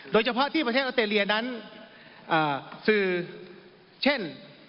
โดยเฉพาะที่ประเทศออสเตรเลียนั้นสื่อเช่น